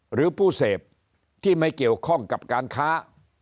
หรือผู้เสพที่ไม่เกี่ยวข้องกับการค้า